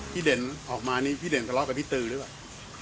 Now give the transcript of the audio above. เด่นออกมานี่พี่เด่นทะเลาะกับพี่ตือหรือเปล่า